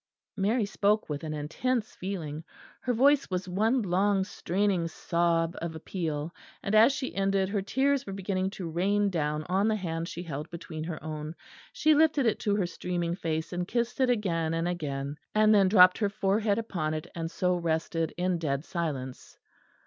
Mary spoke with an intense feeling; her voice was one long straining sob of appeal; and as she ended her tears were beginning to rain down on the hand she held between her own; she lifted it to her streaming face and kissed it again and again; and then dropped her forehead upon it, and so rested in dead silence.